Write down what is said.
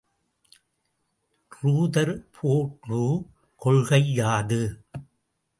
Rutherford கொள்கை யாது?